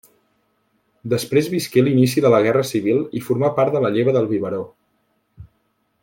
Després visqué l'inici de la Guerra Civil i formà part de la lleva del biberó.